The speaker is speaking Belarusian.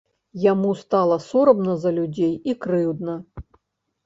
Яму стала сорамна за людзей і крыўдна.